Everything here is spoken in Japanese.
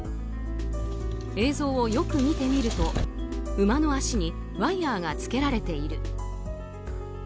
映像をよく見ると、馬の脚にワイヤがつけられている。